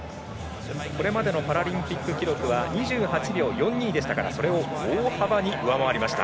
これまでのパラリンピック記録は２８秒４２でしたからそれを大幅に上回りました。